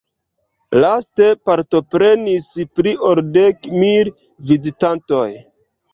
Laste partoprenis pli ol dek mil vizitantoj.